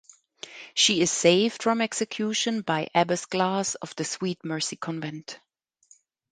She is saved from execution by Abbess Glass of the Sweet Mercy Convent.